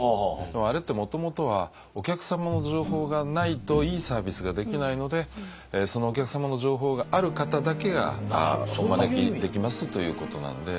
あれってもともとはお客様の情報がないといいサービスができないのでそのお客様の情報がある方だけがお招きできますということなんで。